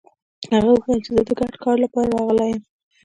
هغه ويل چې زه د ګډ کار لپاره راغلی يم.